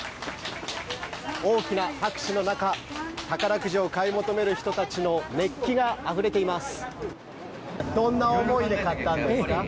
大きな拍手の中宝くじを買い求める人たちの熱気があふれています。